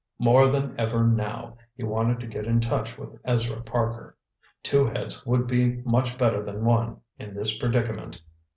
More than ever now, he wanted to get in touch with Ezra Parker. Two heads would be much better than one in this predicament.